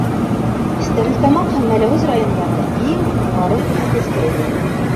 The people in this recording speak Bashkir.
Стәрлетамаҡ һәм Мәләүез райондары иң юғары күрһәткескә эйә.